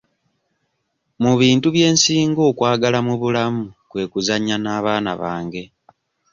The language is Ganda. Mu bintu bye nsinga okwagala mu bulamu kwe kuzannya n'abaana bange.